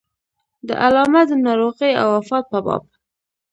د علامه د ناروغۍ او وفات په باب.